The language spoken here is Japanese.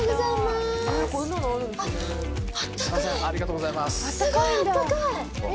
すごいあったかい！